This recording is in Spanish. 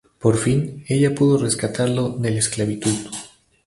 Por fin, ella pudo rescatarlo de la esclavitud.